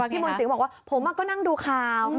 พี่มนต์สิงห์บอกว่าผมก็นั่งดูข่าว